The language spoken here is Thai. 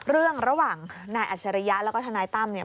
ระหว่างนายอัจฉริยะแล้วก็ทนายตั้มเนี่ย